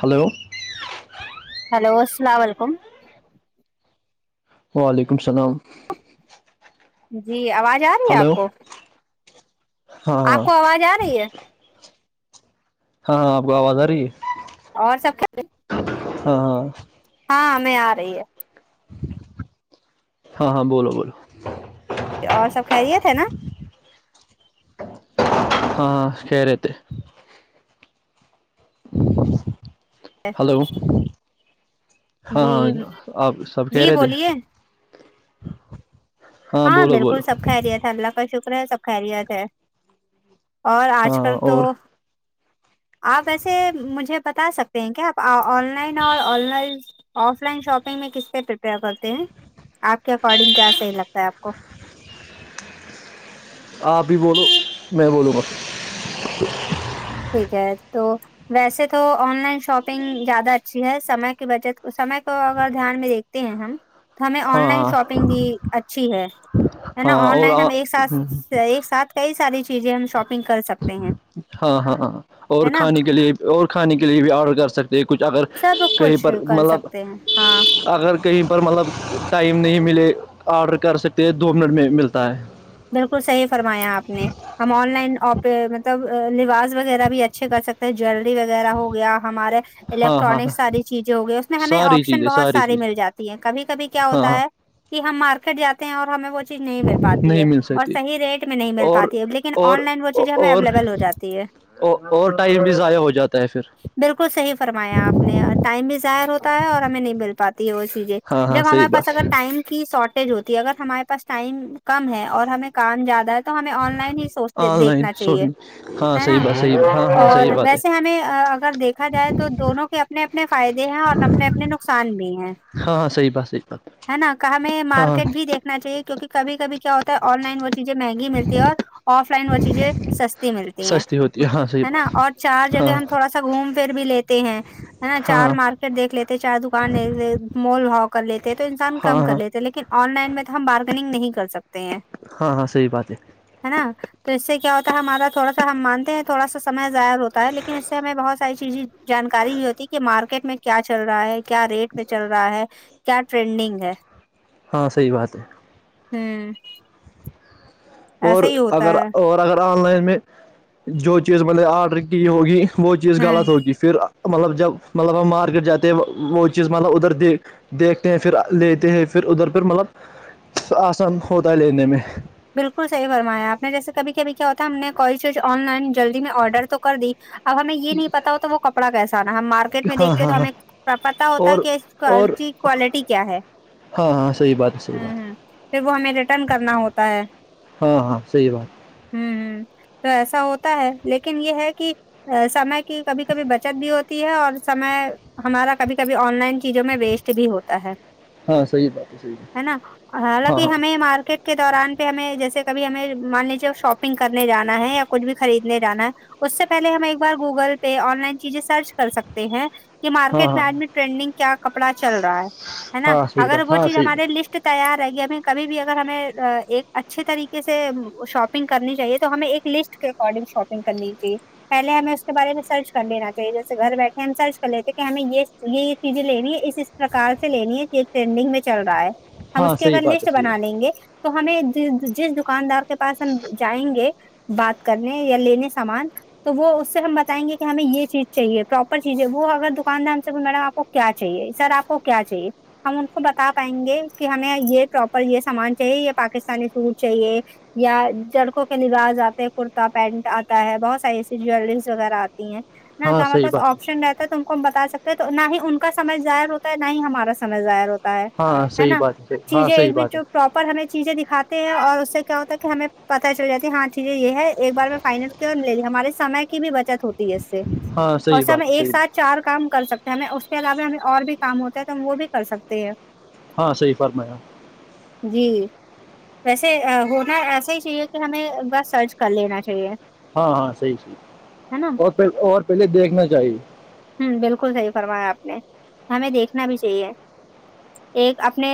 hello hello السلام علیکم وعلیکم السلام جی آواز آ رہی ہے آپ ہلو کو ہاں آپ ہاں ہاں کو آواز آ رہی ہے ہاں آپ کو آواز آ رہی ہے اور سب کھی ہاں ہاں ہاں ہمیں آ رہی ہے ہاں ہاں بولو بولو اور سب خھریے تھے نا ہاں خ رہ تھ ہلو ہاں جی ہاں آپ سب کہہ جی رہے تھے بولیے ہاں بولو بالکل بولو سب کھا رہیا تھا اللہ س کا شکر ہے سب خیریت ہے اور ہاں آج ہاں کل تو اور آپ ویسے مجھے بتا سکتے ہیں کیا آپ آن لائن اور online offline shopping میں کس پہ پریپیئر کرتے ہیں آپ کے اکارڈنگ کیا صحیح لگتا ہے آپ کو آپ بھی بولو میں بولوں گا ٹھیک ہے تو ویسے تو آن لائن شاپنگ زیادہ اچھی ہے سمے کی بچت سمے کو اگر دھیان میں دیکھ ہیں ہم تو ہمیں ہاں آن لائن ہاں شاپنگ بھی اچھی ہے ہے نا ہاں آن اور لائن ہاں ہم ایک ساتھ ایک ساتھ کئی ساری چیزیں ہم شاپنگ کر سکتے ہیں ہاں ہاں ہاں اور ہے نا کھانے کے لیے اور کھانے کے لیے بھی آڈر کر سکتے کچھ اگر سب کہیں کچھ پر کر مطلب سکتے ہیں ہاں اگر کہیں پر مطلب ٹائم نہیں ملے آڈر کر سکتے ہیں دو منٹ میں ملتا ہے بالکل صحیح فرمایا آپ نے ہم آن لائن مطلب لباس وغیرہ بھی اچھے کر سکتے ہیں جیلری وغیرہ ہو گیا ہمارے ہاں ہاں الیکٹرانک ہاں ساری چیزیں ہو گی اس میں ہمیں ساری آپشن چیزیں بہت ساری چیزیں مل جاتی ہیں کبھی کبھی کیا ہاں ہوتا ہاں ہے کہ ہم مارکیٹ جاتے ہیں اور ہمیں وہ چیز نہیں مل پاتی نہیں ہے مل اور سکتی صحی ریٹ میں نہیں مل اور پاتی ہے لیکن اور آن لائن وہ چیزیں ہمیں اور اویلیبل ہو جاتی ہے اور ٹائم بھی ضائع ہو جاتا ہے پھر بالکل صحیح فرمایا آپ نے اور ٹائم بھی ظاہر ہوتا اور ہمیں نہیں مل پاتی ہے وہ چیزیں ہاں ہاں جب صحیح ہمارے پاس بات اگر ٹائم کی شارٹیج ہوتی ہے اگر ہمارے پاس ٹائم کم ہے اور ہمیں کام جیادہ ہے تو ہمیں آن لائن ہی سوچتے آن لائن دیکھنا چاہیے شاپنگ ہاں ا صحیح بات صحیح ہاں ہاں اور صحیح بات ہے ویسے ہمیں اگر دیکھا جائے تو دونوں کے اپنے اپنے فائدے ہیں اور اپنے اپنے نقصان بھی ہیں ہاں ہاں صحیح بات صحیح بات ہے نا کہیں ہاں مارکیٹ ہاں بھی دیکھ چاہیے کیونکہ کب کبھی کیا ہوتا ہے آن لائن و چیزیں مہنگی ملتی ہے اور آف لائن وہ چیزیں سستی ملتی ہیں سستی ہوتی ہاں صحیح ہے بات نا اور چار ہاں جگہ ہم تھوڑا سا گھوم پھر بھی لیتے ہیں ہے نا چار ہاں ہاں مارکیٹ دیکھ لیتے چار دکان دیکھ مول بھاؤ کر لیتے تو انسان کم کر ہاں لیتے لیکن آن لائن میں تو ہم بارگنگ نہیں کر سکتے ہیں ہاں ہاں صحیح بات ہے ہے نا تو اس سے کیا ہوتا ہے ہمارا تھوڑا سا ہم مانتے ہیں تھوڑا سا سم ظر ہوتا ہے لیکن اس سے ہمیں بہت ساری چیزیں جانکاری بھی ہوتی ہے کہ مارکیٹ میں کیا چل رہا ہے کیا ریٹ پ چل رہا ہے کیا ٹرینڈنگ ہے ہاں صحیح بات ہے ہوں اور ایسا ہی ہوتا اگر ہے اور اگر آن لائن میں جو چیز بلے آرڈر کی ہوگی وہ چیز ہوں غلط ہوگی پھر مطلب جب مطلب مارکیٹ جاتے ہیں وہ چیز مطلب ادھر دیک دیکھتے ہیں پھر لیتے ہیں پھر ادھر پھر مطلب آسان ہوتا ہے لینے میں بالکل صحی فرمایا آپ نے جیسے کبھی کبھی کیا ہوتا ہم نے کوئی چیز آن لائن جلدی میں آرڈر تو کر دی اب ہمیں یہ نہیں پتا ہوتا تو وہ کپڑا کیسا آنا ہم مارکیٹ میں ہاں دیکھتے ہاں تو ہاں ہمیں پتتا ہوتا اور ہے کہ اس کا اور اس کی کوالٹی کیا ہے ہاں ہاںح بات ہے صحیح بات ہوں ہ پھر وہ ہمیں ریٹرن کرنا ہوتا ہے ہاں ہاں صحی بات ہوں ہ تو ایسا ہوتا ہے لیکن یہ ہے کہ سمے کی کبھی کبھی بچت بھی ہوتی ہے اور سمے ہمارا کبھی کبھی آن لائن چیزوں میں ویسٹ بھی ہوتا ہے ہاں صحیح بات صحیح بات ہے نا ہاں حالانکہ ہاں ہمیں مارکیٹ کے دوران پہ ہمیں جیسے کبھی ہمیں مان لیجیے شاپنگ کرنے جانا ہے یا کچھ بھی خریدنے جانا ہے اس سے پہلے ہم ایک بار گوگل پہ آن لائن چیزیں سرچ کر سکتے ہیں کہ ہاں مارکیٹ ہاں میں آدمی ٹرینڈنگ کیا کپڑا چل رہا ہے نا ہاں صحیح اگر بات وہ ہاں چیز صحیح ہمارے بات لسٹ تیار رہے گی ہمیں کبھی بھی اگر ہمیں ایک اچھے طریقے سے شاپنگ کرنی چاہیے تو ہمیں ایک لسٹ کے اکارڈنگ شاپنگ کرنی چاہیے پہلے ہمیں اس کے بارے میں سرچ کر لینا چاہیے جیسے گھر بیٹھے ہم سرچ کر لیتے کہ ہمیں یہ یہ چیزیں لینی ہے اس اس پرکار سے لینی ہے یہ ٹرینڈنگ میں چل رہا ہے ہم ہاں اس کی صحیح اگر بات ہے لسٹ بنا لیں گے تو ہمیں جس دکاندار کے پاس ہم جائیں گے بات کرنے یا لینے سامان تو وہ اس سے ہم بتائ گے کہ ہمیں یہ چیز چاہیے پراپر چیز ہے وہ اگر دکاندار ہم سے میڈم آپ کو کیا چاہیے سر آپ کو کیا چاہیے ہم ان کو بتا پائیں گے کہ ہمیں یہ پراپر یہ سامان چاہیے یہ پاکستانی سوٹ چاہیے یا جڑکوں کے لبااز آتے ہیں کرتا پینٹ آتا ہے بہت ساری ایسی جیلریز وغیرہ آتی ہیں نہ تو ہمارے صحیح پاس بات آپشن رہتا تو ت کو ہم بتا سکتے ہیں تو نہ ہی ان کا سمج ظاہر ہوتا ہے نہ ہی ہمارا سمج ظاہر ہوتا ہاں ہے صحیح نا بات ہے ہاں چیزیں ایک صحیح بھی بات ہے چ ٹاپ پر ہمیں چیزیں دکھاتے ہیں اور اس سے کیا ہوتا ہے کہ ہمیں پتہ چل جاتی ہے ہاں چیزیں یہ ہے ایک بار میں فائنل کی لےج ہمارے سمے کی بھی بچت ہوتی ہے اس سے ہاں اور صحیح س میں بات ہے ہاں صحیح بات ہے ایک صحیح ساتھ چار کام کر سکتے ہیں ہمیں اس کے علاوہ ہمیں اور بھی کام ہوتا ہے تو ہم وہ بھی کر سکتے ہیں ہاں صحی فرمایا [unintelligible] جی ویسے ہونا ایسا ہی چاہیے کہ ہمیں بس سرچ کر لینا چاہیے ہاں ہاں صحیح سحی ہے نا اور پ اور پہلے دیکھنا چاہیے ہوں بالکل صحیح فرمایا آپ نے ہمیں دیکھنا بھی چاہیے ایک اپنے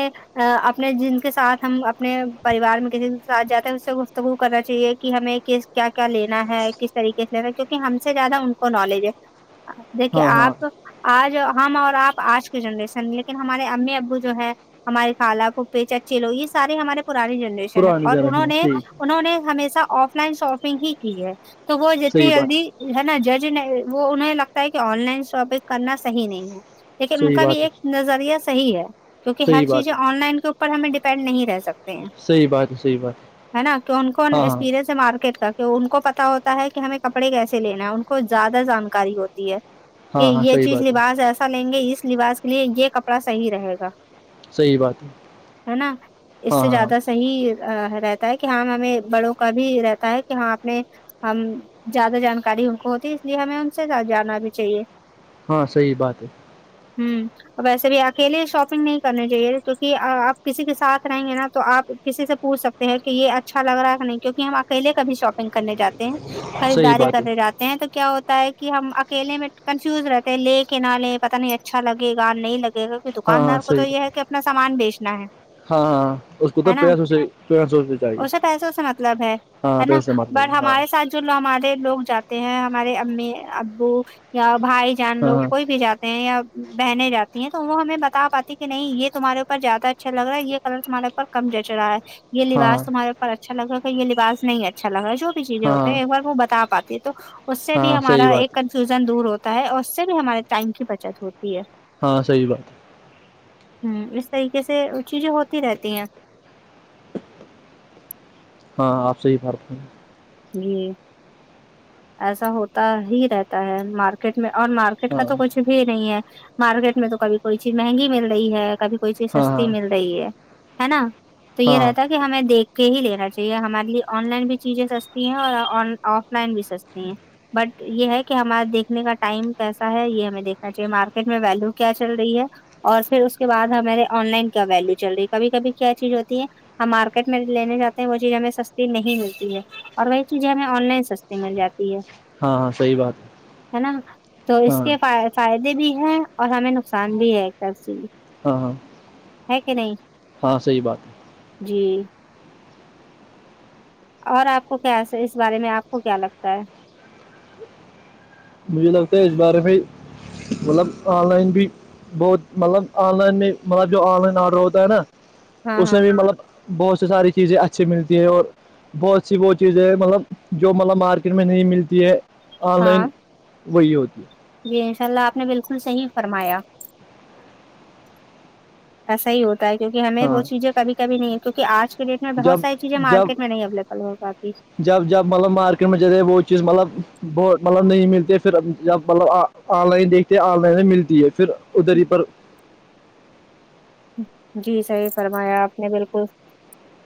اپنے جن کے ساتھ ہم اپنے پریوار میں کسی کے ساتھ جاتے ہے اس سے گفتگو کرنا چاہیے کہ ہمیں کیا کیا لینا ہے کس طریقے سے ل رہا کیونکہ ہم سے زیادہ ان کو نالج ہے دیکے ہاں ہاں آپ آج ہم اور آپ آج کی جنریشن لیکن ہمارے امی ابو جو ہے ہمارے کالا پھھے چچے لوگ یہ سارے ہمارے پرانی جنریشن ہے پرانی اور جانب انہوں میں نے ٹھیک انہوں نے ہمیشہ آف لائن شاپنگ ہی کی ہے تو وہ جتنی صحیح بات جلدی ہے نا جج وہ انہیں لگتا ہے کہ آن لائن شاپنگ کرنا صح نہیں ہے لیکن ان صحیح کا بھی بات ہے ایک نظریہ صحی ہے کیونکہ ہر صحیح بات چیزیں ہے آن لائن کے اوپر ہمیں ڈیپینڈ نہیں رہ سکتے ہیں صحیح بات ہے صحیح بات ہے نا کون کون ہاں ہاں ایکسپیرنس ہے مارکیٹ کا ان کو پتا ہوتا ہے کہ ہمیں کپڑے کیسے لینا ہے ان کو زیادہ جانکاری ہوتی ہے کہ ہاں ہاں یہ صحیح چیز بات ہے لباس ایسا لیں گے اس لباس کے لیے یہ کپڑا صحیح رہے گا صحی بات ہے ہے نا اس ہاں سے ہاں ہاں زیادہ صحیح رہتا ہے کہ ہاں ہمیں بڑوں کا بھی رہتا ہے کہ ہاں اپنے ہم زیادہ جانکاری ان کو ہوتی اس لیے ہمیں ان سے جانا بھی چاہیے ہاں صحیح بات ہے ہوں ویسے بھی اکیلے شاپنگ نہیں کرنی چاہیے کیونکہ آپ کسی کے سات رہیں گے نا تو آپ کسی سے پوچھ سکتے ہیں کہ یہ اچھا لگ رہا ہے کہ نہیں کیونکہ ہم اکیلے کا بھی شاپنگ کرنے جاتے صحیح خریداری بات ہے کرنے جاتے تو کیا ہوتا ہے کہ ہم اکیے میں کنفیوز رہتے ہیں لے کے نہ لے پتا نہیں اچھا لگے گاان نہیں لگےا ہاں ہاں دکاندار کو تو یہ ہے کہ اپنا سامان بیچنا ہے ہاںاں [unintelligible] اس کو تو ہے نا اسے پیسوں سے مطلب جوو ہمارے لوگ جاتے ہیں ہمارے امی ابو یا بھائی جان ہاں لوگ ہاں کوئی بھی جات یا بہنے جاتی ہیں تو وہ ہمیں بتا پاتی کہ نہیں یہ تمہارے اوپر زیادہ اچھا لگ رہا ہے یہ کلر تمہارےوپ کم جچ رہا ہے یہ لباس ہاں تمہارے اوپر اچھا لگ رہا ہے کہ یہ لباس نہیں اچھا لگ رہا ہے جو بھی چیزیں ہوتے ہاں ہیں ایک بار وہ بتا پاتی ہے تو اس سے بھی ہاں صحیح ہمارا ایک بات ہے کنفیوژن دور ہوتا ہے اور اس سے بھی ہمارے ٹائم کی بچت ہوتی ہے ہاں صحیح بات ہے ہ اس طریقے سے وہ چیزیں ہوتی رہتی ہیں ہاں آپ سے ہی بھر پ [unintelligible] جی ایسا ہوتا ہی رہتا ہے مارکیٹ میں اور مارکیٹ ہاں کا تو کچھ بھی نہیں ہے مارکیٹ میں تو کبھی کوئی چیز مہنگی مل رہی ہے کبھی کوئی چیز ہاں ہاں سستی مل رہی ہے ہے نا تو یہ ہاں رہتا کہ ہمیں دیکھ کے ہی لینا چاہیے ہمارے لیے آن لائن بھی چیزیں س س ہیں اور آف لائن بھی سستی ہیں بٹ یہ ہے کہ ہمارا دیکھنے کا ٹائم کیسا ہے یہ ہمیں دیکھنا چاہیے مارکیٹ میں ویلو کیا چل رہی ہے اور پھر اس کے بعد ہمارے آن لائن کیا ویلو چل رہی ہے کبھی کبھی کیا چیز ہوتی ہے ہم مارکیٹ میں لینے جاتے ہیں وہ چیز ہمیں سستی نہیں ملتی ہے اور وہی چیزیں ہمیں آن لائن سستے مل جاتی ہے ہاں ہاں صحی بات ہے ہے نا [unintelligible] [inaudible] تو اس ہاں کے فائدے بھی ہیں اور ہمیں نقصان بھی ہے ایک طر سےی ہاں ہاں ہے کہ نہیں ہاں صحیح بات ہے جی اور آپ کو کیا اس بارے میں آپ کو کیا لگتا ہے مجھے لگتا ہے اس بارے میںھائی مطلب آن لائن بھی بہت مطلب آن لائن میں مطلب جو آن لائن آڈر ہوتا ہے نا ہاں اس میں ہاں بھی مطلب بہت س ساری چیزیں اچھی ملتی ہے اور بہت سی وہ چیزیں مطلب جو مطلب مارکیٹ میں نہیں ملتی ہے آن لائن ہاں وہی ہوتی ہے جی انشاء اللہ آپ نے بالکل صحیح فرمایا ایسا ہی ہوتا ہے کیونکہ ہمیں وہ ہاں چیزیں کبھی کبھی نہیں ہے کیونک آج ریٹ میں جب بہت ساری چیزیں جب مارکیٹ میں نہیں اویلیبل ہوگا اب جب جب مطلب مارکیٹ میں جے وہ چیز مطلب ب مطلب نہیں ملتی پھر جب مطلب آ آن لائن دیکھتے ہیں آن لائن میں ملتی ہے پھر ادھر ہی پر جی صحیح فرمایا آپ نے بالکل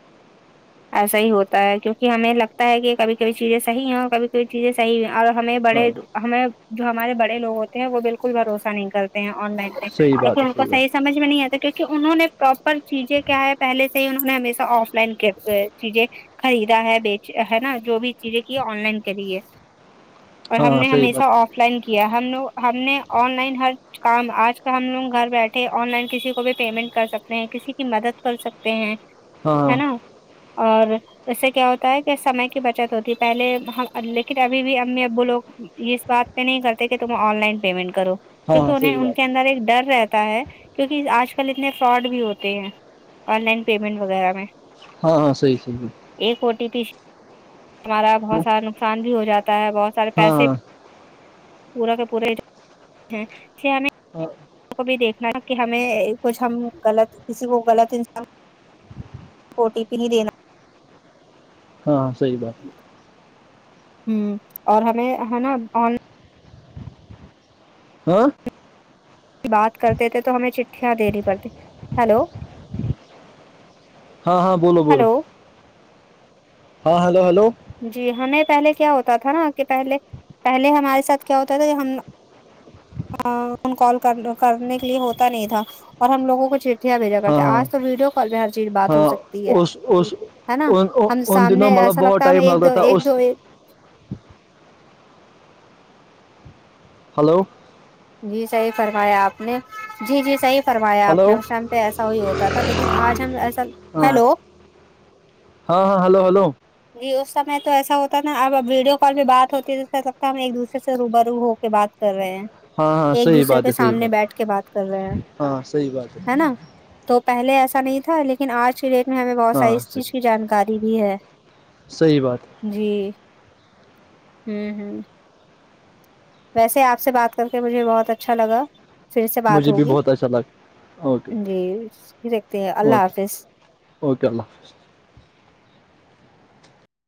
[unintelligible] ایسا ہی ہوتا ہے کیونکہ ہمیں لگتا ہے کہ کبھی کبھی چیزیں صحیح ہیں کبھی کبھی چیزیں صحی اور ہمیں بڑے ہاں ہمیں جو ہمارے بڑے لوگ ہوتے ہیں وہ بالکل بھروسہ نہیں کرتے ہیں آن لائن صحیح بات ہے ہم کو صحیح سمجھ میں نہیں اتا کیونکہ انہوں نے پراپر چیزیں کیا ہے پہلے سے ہی انہوں نے ہمیشہ آف لائن چیزیں خریدا ہے بیچ ہے نا جو بھی چیزیں کی آن لائن کریے اور ہم نے صحیح ہمیشہ بات آف ن کیا ہم لوگ ہم نے آن لائن ہر کام آج کل ہم لوگ گھر بیٹھے آن لائن کسی کو بھی پیمنٹ کر سکتے ہیں کسی کی مدد کر سکتے ہیں ہاں ہاں صحیح ہے بات نا اور اس سے کیا ہوتا ہے کہ سمے کی بچت ہوتی ہے پہلے لیکن ابھی بھی امی ابو لوگ اس بات پہ نہیں کرتے کہ تم آن لائن پیمنٹ کرو ہاں ہاں ہاں کیونکہ ہاں انہیں صحیح ان کے بات اندر ایک ڈر رہتا ہے کیونکہ آج آج کل اتنے فراڈ بھی ہوتے ہیں آن لائن پیمنٹ وغیرہ میں ہاں ہاں صحیح ایک او ٹی پی ہمارا بہت سارا نقصان بھی ہو جاتا ہے بہت سارے ہاں پیسے ہاں پورا کا پورے ہیں کہ ہمیں ہ [unintelligible] [inaudible] کو بھی دیکھنا ہے کہ ہمیں کچھ ہم غلط کسی کو غلط انسام او ٹی پی نہیں دینا ہاںاں صحی بات [inaudible] ہ اور ہمیں ہے نا ہاں بات کرتے تھے تو ہمیں چٹھیاں دینی پڑتی ہیلو ہاں ہاں بولو بولو ہلو ہاں ہلو ہلو جی ہمیں پہلے کیا ہوتا تھا نا کہ پہلے پہلے ہمارے ساتھ کیا ہوتا تھا کہ ہم کال کر کرنے کے لیے ہوتا نہیں تھا اور ہم لوگوں کو چٹھیاں بھیجا ہاں کرتے ہاں آج تو ویڈیو کال میں ہر چیز بات ہو ہاں سکتی ہے اس اس ہے نا ہم ان دنوں سامنے مطلب ایسا بہت ہے ہم ٹائم ایک لگتا دو تھا ایک اس دو ہلو جی صحیح فرمایا آپ نے جی جی صحیح فرمایا آپ ہلو نے اس ش پہ ایسا وہ ہوتا تھا لیکن آج ہم ایسا ہاں ہیلو ہاں ہاں ہلو ہلو جی اس سمے تو ایسا ہوتا نا اب ویڈیو کال بھی بات ہوتی ہے تو سگتا ہم ایک دوسرے سے روبرو ہو پ سے بات کر رہے ہیں ہاں ہاں ایک صحیح دوسرے بات کے ہے صحیح سامنے بات ہے بیٹھ کے بات کر رہے ہیں ہاں صحیح بات ہے نا تو پہلے ایسا نہیں تھا لیکن آج کی ڈیٹ میں ہمیں بہت ہاں ساری اس چیز کی صحیح جانکاری بھی ہے صحیح بات ہے جی ہوں ہوں ویسے آپ سے بات کر کے مجھے بہت اچھا لگا پھر سے ہے بات مجھے بھی ہوگی بہت اچھا لگا اوکے جی دیکھتے ہیں اللہ اوکے حافظ اوکے اللہ حافظ